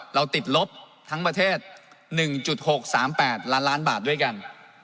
เราติดลบทั้งประเทศ๑๖๓๘ล้านล้านบาทด้วยกัน